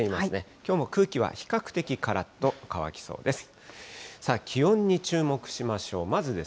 きょうも空気は比較的からっと乾きそうです。